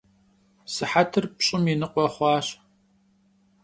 Sıhetır pş'ım yi nıkhue xhuaş.